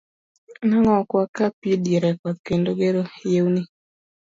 Nang'o ok waka pii diere koth kendo gero yewni.